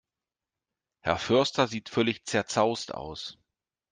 Herr Förster sieht völlig zerzaust aus.